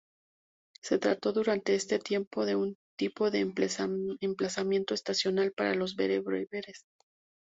Se trató durante este tiempo de un tipo de emplazamiento estacional para los bereberes.